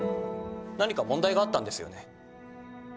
何か問題があったんですよね？